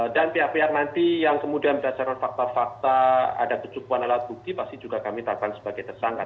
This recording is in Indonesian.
dan pihak pihak nanti yang kemudian berdasarkan fakta fakta ada kecukupan alat bukti pasti juga kami tetapkan sebagai tersangka